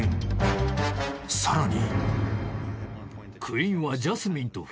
［さらに］